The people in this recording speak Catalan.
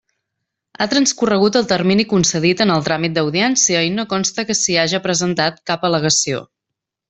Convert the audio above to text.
Ha transcorregut el termini concedit en el tràmit d'audiència i no consta que s'hi haja presentat cap al·legació.